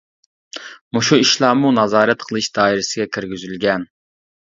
مۇشۇ ئىشلارمۇ نازارەت قىلىش دائىرىسىگە كىرگۈزۈلگەن.